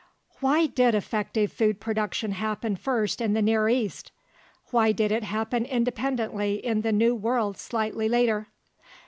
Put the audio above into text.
Why did effective food production happen first in the Near East? Why did it happen independently in the New World slightly later?